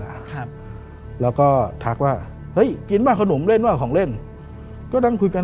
ครับแล้วก็ทักว่าเฮ้ยกินป่ะขนมเล่นเปล่าของเล่นก็นั่งคุยกัน